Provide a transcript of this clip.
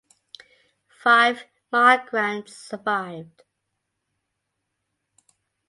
Five migrants survived.